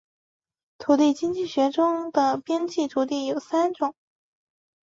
土地经济学中的边际土地有三种